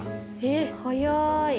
えっ早い。